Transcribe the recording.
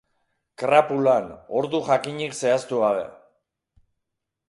Krapulan, ordu jakinik zehaztu gabe.